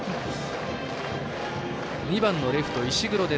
２番のレフト、石黒。